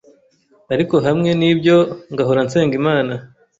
Ariko hamwe n’ibyo, ngahora nsenga Imana